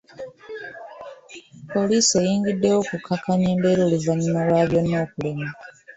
Poliisi eyingiddewo okukakkanya embeera oluvannyuma lwa byonna okulema.